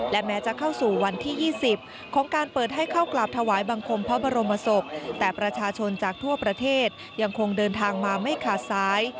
และแม้จะเข้าสู่วันที่๒๐ของการเปิดให้เข้ากราบถวายบังคมพระบรมศพแต่ประชาชนจากทั่วประเทศยังคงเดินทางมาไม่ขาดซ้าย